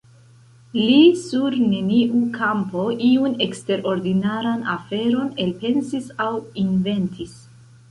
Li sur neniu kampo iun eksterordinaran aferon elpensis aŭ inventis.